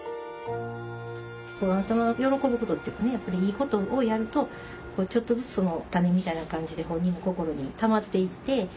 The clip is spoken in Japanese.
小雁さんが喜ぶことっていうかいいことをやるとちょっとずつ“種”みたいな感じで本人の心にたまっていって。